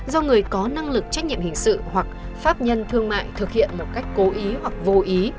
do người có năng lực trách nhiệm hình sự hoặc pháp nhân thương mại thực hiện một cách cố ý hoặc vô ý